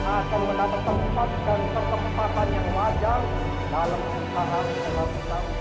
akan mendatangkan tempat dan kesekempatan yang wajar dalam kisah kisah kita